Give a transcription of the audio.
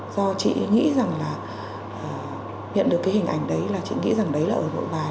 do chị nghĩ rằng là nhận được cái hình ảnh đấy là chị nghĩ rằng đấy là ở hội bà